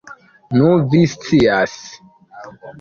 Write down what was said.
Nu, vi scias.